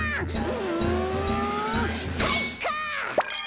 うんかいか！